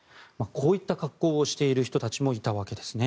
こういった格好をしている人たちもいたわけですね。